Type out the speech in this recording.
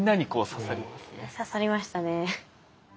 刺さりましたね。